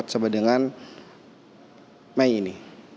sampai dengan mei ini